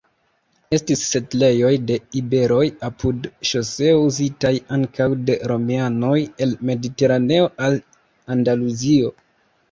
Estis setlejoj de iberoj apud ŝoseo uzitaj ankaŭ de romianoj el Mediteraneo al Andaluzio.